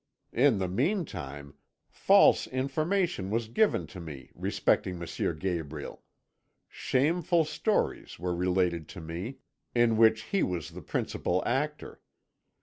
In the meantime, false information was given to me respecting M. Gabriel; shameful stories were related to me, in which he was the principal actor.